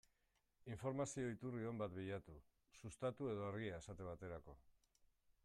Informazio iturri on bat bilatu, Sustatu edo Argia esate baterako.